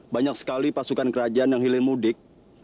banyak sekali pasukan kerajaan yang hilir mudik